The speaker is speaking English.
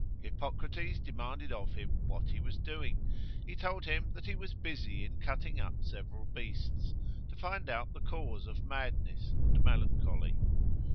Hippocrates demanded of him what he was doing: he told him that he was busy in cutting up several beasts, to find out the cause of madness and melancholy.